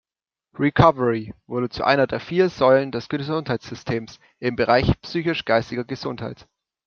Recovery wurde zu einer der vier Säulen des Gesundheitssystems im Bereich psychisch-geistiger Gesundheit.